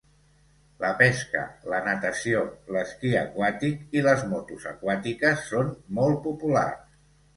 La pesca, la natació, l'esquí aquàtic i les motos aquàtiques són molt populars.